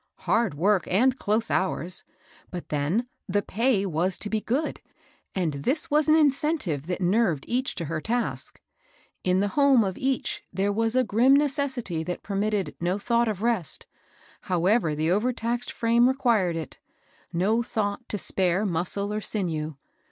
Hard work and close honrs I but then the pay was to be good, and this was an incentive that nerved each to her tasL In the home of each there was a grim ne cessity that permitted no thought of rest, however Ihe overtaxed frame required it, — no thought to lE^are muscle or sinew.